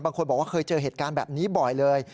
บางคนบอกว่าเคยเจอเหตุการณ์แบบนี้บ่อยเลย